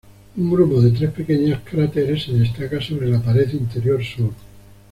Un grupo de tres pequeñas cráteres se destacan sobre la pared interior sur.